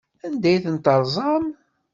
Anda ay ten-terẓam?